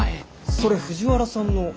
それ藤原さんの。